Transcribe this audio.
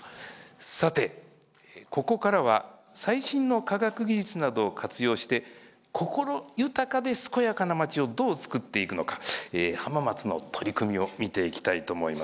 さてここからは最新の科学技術などを活用して心豊かで健やかなまちをどう作っていくのか浜松の取り組みを見ていきたいと思います。